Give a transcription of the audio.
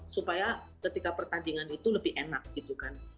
supaya ketika pertandingan itu lebih enak gitu kan